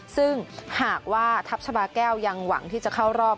ซึ่งหากว่าทัพชาบาแก้วยังหวังที่จะเข้ารอบ